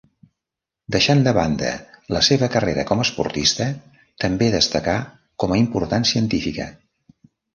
Deixant de banda la seva carrera com a esportista, també destacà com a important científica.